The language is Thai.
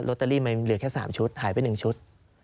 ตเตอรี่มันเหลือแค่๓ชุดหายไป๑ชุด